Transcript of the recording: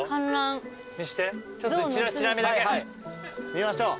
見ましょう。